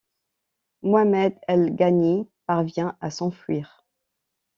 Mohammed al-Ghanî parvient à s'enfuir.